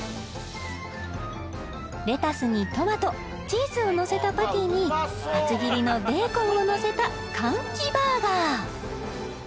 レタスにトマトチーズをのせたパティに厚切りのベーコンをのせたカンキバーガー